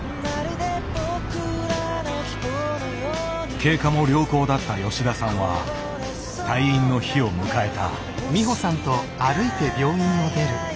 経過も良好だった吉田さんは退院の日を迎えた。